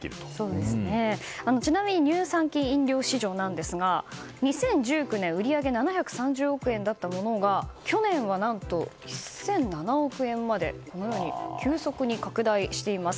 ちなみに乳酸菌飲料市場なんですが２０１９年売上７３０億円だったものが去年は何と１００７億円まで急速に拡大しています。